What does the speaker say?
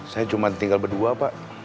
saya cuma tinggal berdua pak